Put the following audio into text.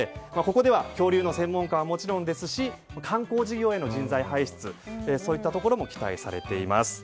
ここでは恐竜の専門家はもちろん観光事業への人材輩出といったところも期待されています。